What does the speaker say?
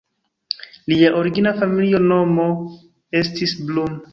Lia origina familia nomo estis "Blum".